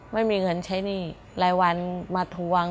ไม่มีเงินใช้หนี้รายวันมาทวง